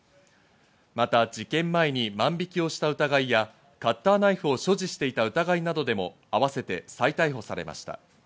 また事件前に万引きをした疑いやカッターナイフを所持していた疑いなどでも、合わせて再逮捕されました。